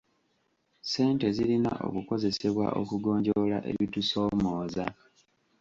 Ssente zirina okukozesebwa okugonjoola ebitusoomooza.